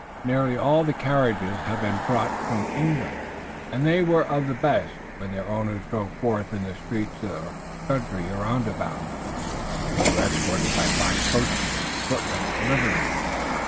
Nearly all the carriages had been brought from London, and they were of the best. When their owners drove forth in the streets or the country roundabout they were escorted by black coachmen and footmen in livery.